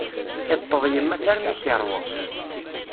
Iṭṭeḍ yemma-s armi i tt-iṛwa.